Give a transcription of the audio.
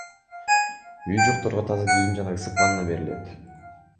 Үйү жокторго таза кийим жана ысык ванна берилет.